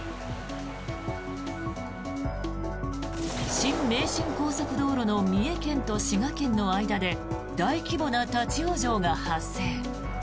新名神高速道路の三重県と滋賀県の間で大規模な立ち往生が発生。